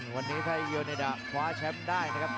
วันนี้ไทยยูนิดาคว้าแชมป์ได้นะครับ